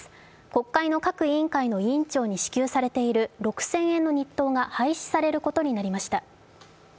国会の各委員会の委員長に支給されている６０００円の日当が廃止されることになりました。